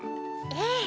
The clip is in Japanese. ええ！